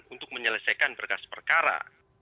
untuk menyelesaikan berkas perkara